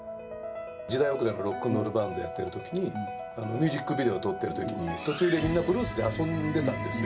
時代遅れのロックンロールバンドをやっているときに、ミュージックビデオを撮ってるときに、途中でみんなブルースで遊んでたんですよ。